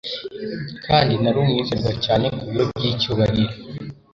kandi nari umwizerwa cyane ku biro by'icyubahiro